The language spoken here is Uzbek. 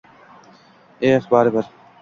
«Eh, bari bir!»